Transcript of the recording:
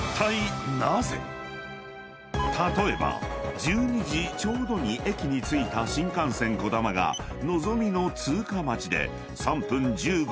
［例えば１２時ちょうどに駅に着いた新幹線こだまがのぞみの通過待ちで３分１５秒停車する場合